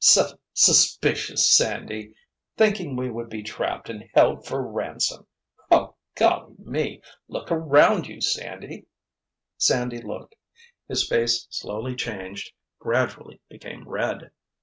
Sus—suspicious Sandy! Thinking we would be trapped and held for ransom! Ho, golly me! Look around you, Sandy!" Sandy looked. His face slowly changed, gradually became red.